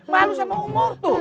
malu sama umur tuh